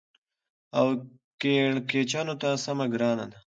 او کېړکیچو ته سمه ګرانه ده.